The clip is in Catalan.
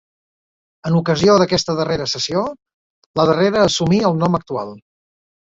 En ocasió d'aquesta darrera cessió la darrera assumí el nom actual.